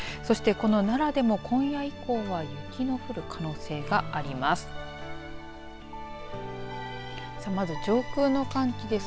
奈良でも今夜以降は雪の降る可能性があります。